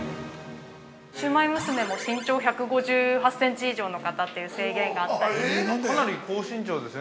◆シウマイ娘も身長１５８センチ以上の方という制限があったんです。